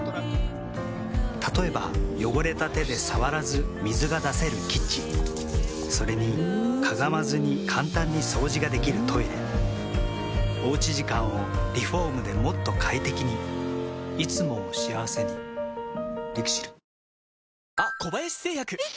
例えば汚れた手で触らず水が出せるキッチンそれにかがまずに簡単に掃除ができるトイレおうち時間をリフォームでもっと快適にいつもを幸せにＬＩＸＩＬ。